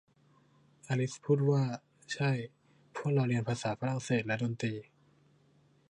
อลิซพูดว่า ใช่ พวกเราเรียนภาษาฝรั่งเศสและดนตรี